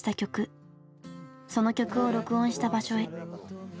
その曲を録音した場所へ。